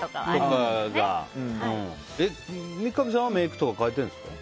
三上さんはメイクとか変えてるんですか？